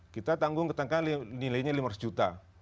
kita tanggung ketangka nilainya lima ratus juta